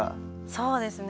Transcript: そうですね。